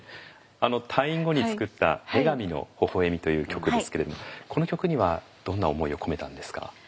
退院後に作った「女神の微笑み」という曲ですけれどもこの曲にはどんな思いを込めたんですか？